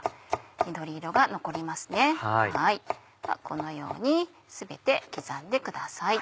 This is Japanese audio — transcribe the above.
このように全て刻んでください。